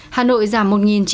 hà nội giảm một chín trăm linh hai